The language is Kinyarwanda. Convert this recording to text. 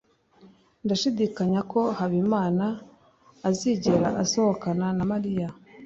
ndashidikanya ko habimana azigera asohokana na mariya